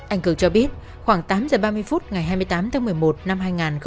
anh cường cho biết khoảng tám giờ ba mươi phút ngày hai mươi tám tháng một mươi một năm hai nghìn một mươi bảy